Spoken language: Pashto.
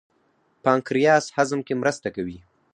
پانکریاس هضم کې مرسته کوي.